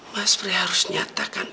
mas frey harus nyatakan